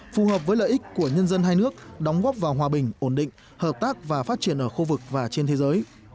phù hợp với lợi ích của nhân dân hai nước đóng góp vào hòa bình ổn định hợp tác và phát triển ở khu vực và trên thế giới